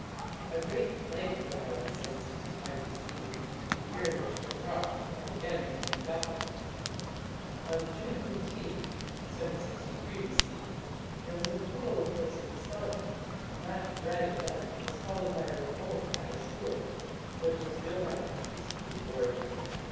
A great plague broke out in 765 B.C., the year in which Hadrach had again to be dealt with. On June 15, 763 B.C., there was a total eclipse of the sun, and that dread event was followed by a revolt at Asshur which was no doubt of priestly origin.